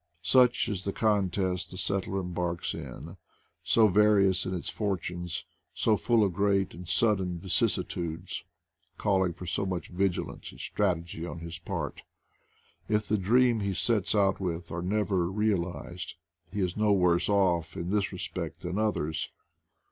Such is the contest the settler embarks in — so various in its fortunes, so full of great and sudden vicissitudes, calling for so much vigilance and strategy on his part. If the dreams he sets out with are never realized, he is no worse off in this respect than others.